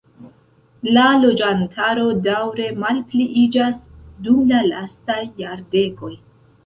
La loĝantaro daŭre malpliiĝas dum la lastaj jardekoj.